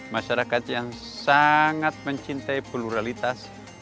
masyarakat yang sangat mencintai pluralitas